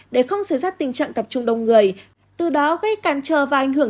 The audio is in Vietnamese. để không xử sát tình trạng tập trung đông người từ đó gây càn trờ và ảnh hưởng